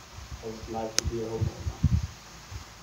I would like to be a homeowner.